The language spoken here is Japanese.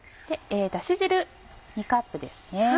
だし汁２カップですね。